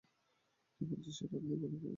কী বলছি সেটা আপনি ভালো করেই জানেন।